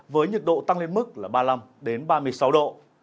với nhiệt độ tăng lên mức là ba mươi năm ba mươi sáu độ